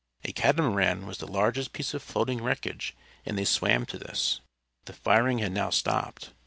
A catamaran was the largest piece of floating wreckage, and they swam to this. The firing had now stopped.